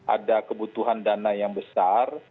ada kebutuhan dana yang besar